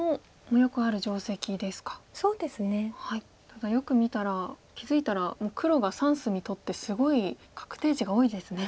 ただよく見たら気付いたら黒が３隅取ってすごい確定地が多いですね。